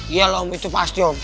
iya om itu pasti om